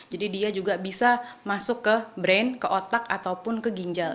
jadi dia juga bisa masuk ke otak atau ke ginjal